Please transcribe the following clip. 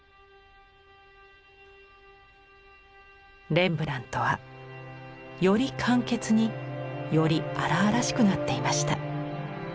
レンブラントはより簡潔により荒々しくなっていました。